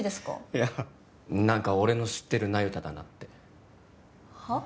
いや何か俺の知ってる那由他だなってはあ？